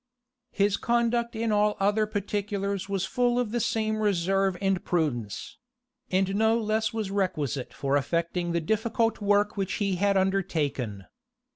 His conduct in all other particulars was full of the same reserve and prudence; and no less was requisite for effecting the difficult work which he had undertaken.